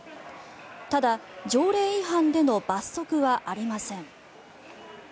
ただ、条例違反での罰則はありません。